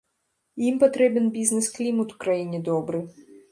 Ім патрэбен бізнес-клімат у краіне добры.